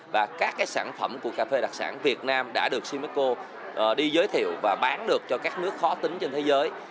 và các sản phẩm của cà phê đặc sản việt nam đã được simisco đi giới thiệu và bán được cho các nước khó tính trên thế giới